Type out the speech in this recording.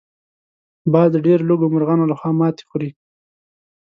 باز د ډېر لږو مرغانو لخوا ماتې خوري